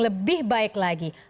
lebih baik lagi